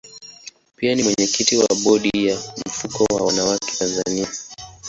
Pia ni mwenyekiti wa bodi ya mfuko wa wanawake Tanzania.